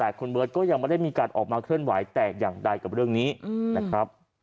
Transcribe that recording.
แต่คุณเบิร์ตก็ยังไม่ได้มีการออกมาเคลื่อนไหวแต่อย่างใดกับเรื่องนี้นะครับ